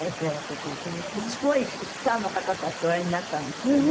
すごいスターの方たちとおやりになったんですってね。